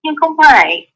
nhưng không phải